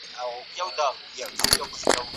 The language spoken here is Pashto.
دا پوهه د ټولنیز عمل څېړنه کوي.